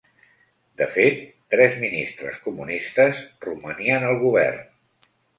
De fet tres ministres comunistes romanien al govern.